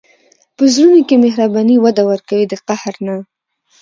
په زړونو کې مهرباني وده ورکوي، د قهر نه.